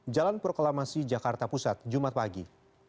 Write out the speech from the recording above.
jalan proklamasi jakarta pusat jumat pagi